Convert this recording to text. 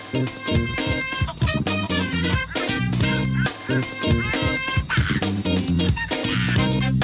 ข้าวใส่ไข่สบกว่าไข่ใหม่กว่าเดิมข้าวเวลา